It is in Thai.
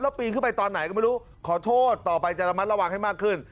แล้วปีนขึ้นไปตอนไหนก็ไม่รู้ขอโทษต่อไปจะระมัดระวังให้มากขึ้น